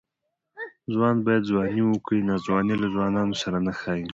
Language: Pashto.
ځوان باید ځواني وکړي؛ ناځواني له ځوانانو سره نه ښايي.